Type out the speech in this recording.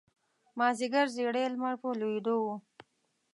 مازیګر زیړی لمر په لویېدو و.